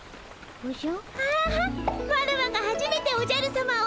おじゃ！